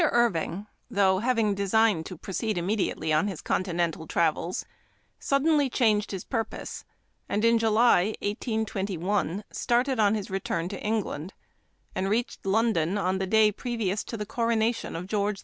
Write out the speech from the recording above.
IRVING, though having designed to proceed immediately on his continental travels, suddenly changed his purpose, and in July, 182 1, started on his return to England, and reached London on the day previous to the coronation of George IV.